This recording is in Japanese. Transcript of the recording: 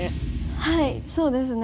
はいそうですね。